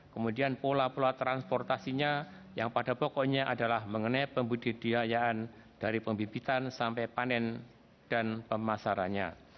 kemudian pola pola transportasinya yang pada pokoknya adalah mengenai pembudidayaan dari pembibitan sampai panen dan pemasarannya